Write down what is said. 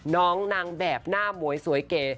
น้องนางแบบหน้าหมวยสวยเก๋